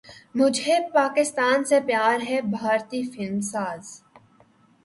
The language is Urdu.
مجھے پاکستان سے پیار ہے بھارتی فلم ساز